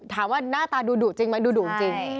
หน้าตาดูดุจริงไหมดูดุจริง